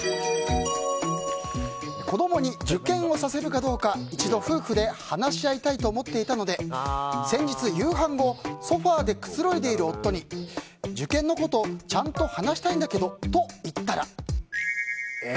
子供に受験をさせるかどうか一度、夫婦で話し合いたいと思っていたので先日、夕飯後ソファでくつろいでいる夫に受験のことちゃんと話したいんだけどと言ったらえ？